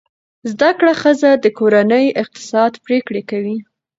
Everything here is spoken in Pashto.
زده کړه ښځه د کورنۍ اقتصادي پریکړې کوي.